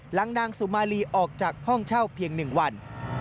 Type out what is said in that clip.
หลังนางสุมาลีออกจากห้องเช่าเพียงหนึ่งวัน